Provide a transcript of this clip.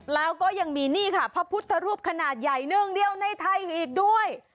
แล้วก็ยังมีนี่ค่ะพระพุทธรูปขนาดใหญ่หนึ่งเดียวในไทยอีกด้วย